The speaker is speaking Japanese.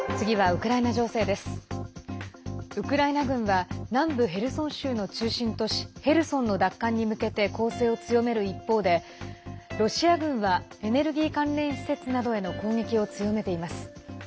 ウクライナ軍は南部ヘルソン州の中心都市ヘルソンの奪還に向けて攻勢を強める一方でロシア軍はエネルギー関連施設などへの攻撃を強めています。